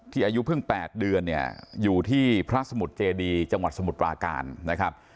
อายุเพิ่ง๘เดือนเนี่ยอยู่ที่พระสมุทรเจดีจังหวัดสมุทรปราการนะครับ